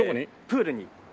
プールに。